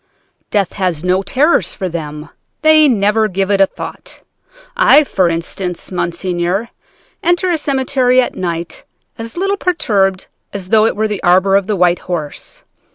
Death has no terrors for them; they never give it a thought. I, for instance, monsieur, enter a cemetery at night as little perturbed as though it were the arbor of the White Horse.